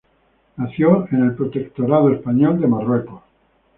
Nació en el Protectorado español de Marruecos.